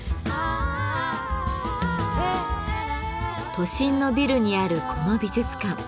都心のビルにあるこの美術館。